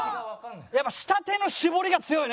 やっぱ下手の絞りが強いね。